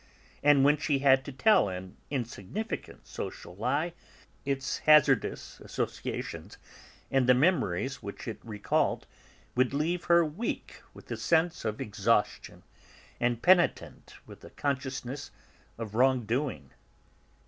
And when she had to tell an insignificant, social lie its hazardous associations, and the memories which it recalled, would leave her weak with a sense of exhaustion and penitent with a consciousness of wrongdoing.